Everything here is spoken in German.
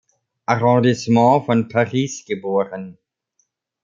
Arrondissement von Paris geboren.